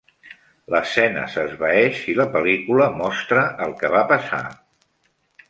L'escena s'esvaeix i la pel·lícula mostra el que va passar.